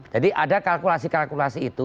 jadi ada kalkulasi kalkulasi itu